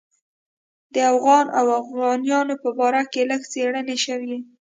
د اوغان او اوغانیانو په باره کې لږ څېړنې شوې.